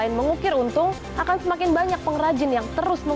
jadinya yang menarung nyawa aro lesiga terentara veterans dan rakyatrod enemies